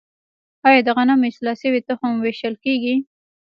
آیا د غنمو اصلاح شوی تخم ویشل کیږي؟